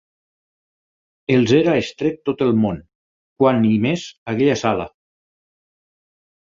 Els era estret tot el món, quant i més aquella sala.